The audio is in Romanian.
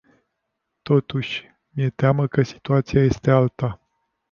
Totuși, mi-e teamă că situația este alta.